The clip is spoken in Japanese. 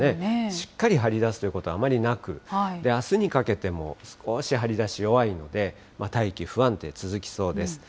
しっかり張り出すということはあまりなく、あすにかけても、少し張り出し弱いので、大気、不安定続きそうです。